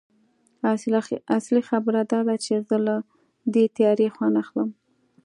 اصلي خبره دا ده چې زه له دې تیارې خوند اخلم